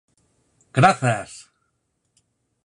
Grazas!